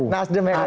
nasdem yang nu